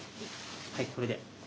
はいこれで。